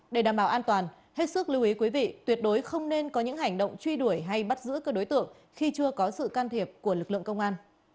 để đảm bảo an toàn hết sức lưu ý quý vị tuyệt đối không nên có những hành động truy đuổi hay bắt giữ cơ đối tượng khi chưa có sự can thiệp của lực lượng công an